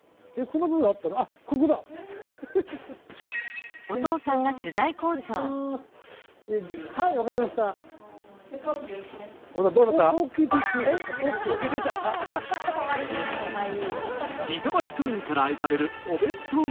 板橋区民から愛されるお弁当屋さん。